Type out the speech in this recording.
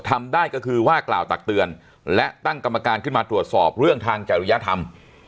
ทำได้ก็คือว่ากล่าวตักเตือนและตั้งกรรมการขึ้นมาตรวจสอบเรื่องทางจริยธรรม